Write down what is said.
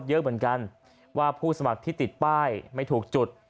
เยอะเหมือนกันว่าผู้สมัครที่ติดป้ายไม่ถูกจุด